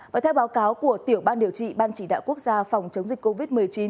và theo báo cáo của tiểu ban điều trị ban chỉ đạo quốc gia phòng chống dịch covid một mươi chín